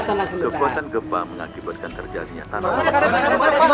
kekuatan gempa mengakibatkan terjadinya tanaman